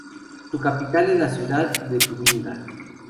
Su capital es la ciudad de Tubinga.